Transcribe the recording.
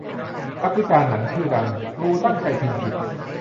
นักวิจารณ์หนังชื่อดัง กรูตั้งใจพิมพ์ผิด